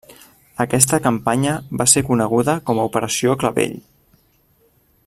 Aquesta campanya va ser coneguda com a Operació Clavell.